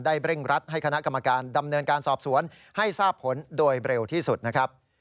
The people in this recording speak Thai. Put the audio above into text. เร่งรัดให้คณะกรรมการดำเนินการสอบสวนให้ทราบผลโดยเร็วที่สุดนะครับ